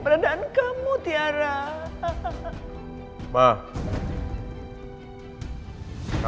rasanya kamu grafis